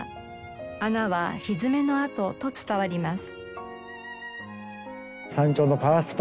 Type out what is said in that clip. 穴はひづめの跡と伝わります。